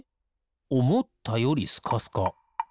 おもったよりスカスカ。